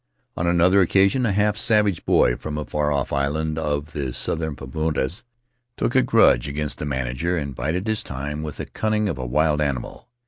On another occasion, a half savage boy, from a far off island of the southern Paumotus, took a grudge against the manager and bided his time with the cunning of a wild animal.